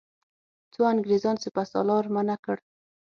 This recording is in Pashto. خو انګرېزانو سپه سالار منع کړ.